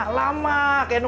kita harus berhenti